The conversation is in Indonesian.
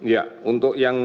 ya untuk yang